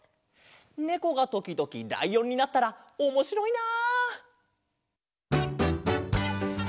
ねこがときどきらいおんになったらおもしろいな！